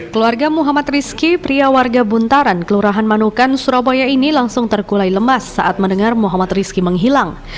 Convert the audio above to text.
keluarga muhammad rizky pria warga buntaran kelurahan manukan surabaya ini langsung terkulai lemas saat mendengar muhammad rizki menghilang